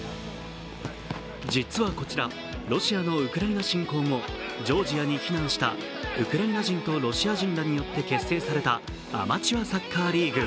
実はこちら、ロシアのウクライナ侵攻後、ジョージアに避難したウクライナ人とロシア人らによって結成されたアマチュアサッカーリーグ。